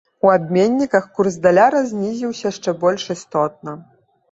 У абменніках курс даляра знізіўся шчэ больш істотна.